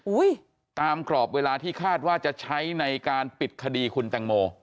ตามกรอบเวลาที่คาดว่าจะใช้ในการปิดคดีคุณแตงโม